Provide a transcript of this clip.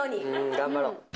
頑張ろう。